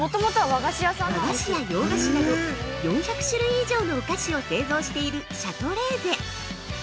◆和菓子や洋菓子など、４００種類のお菓子を製造しているシャトレーゼ。